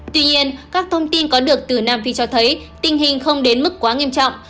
tuy nhiên các thông tin có được từ nam phi cho thấy tình hình không đến mức quá nghiêm trọng